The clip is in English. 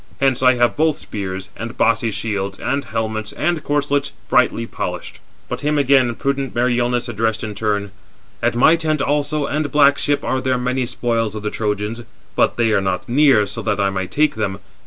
Hence I have both spears, and bossy shields, and helmets, and corslets, brightly polished." But him again prudent Meriones addressed in turn: "At my tent also and black ship are there many spoils of the Trojans; but they are not near, so that I might take them.